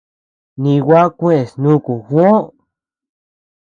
Nigua kueʼes nuku Juó.